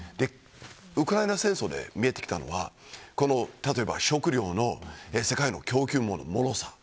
ウクライナ戦争で見えてきたのは例えば食料の世界の供給網の脆さ